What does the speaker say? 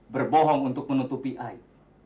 berbohong untuk menutupi air